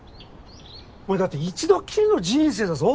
だって一度きりの人生だぞ。